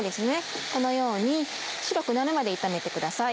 このように白くなるまで炒めてください。